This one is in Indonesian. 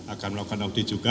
akan melakukan audit juga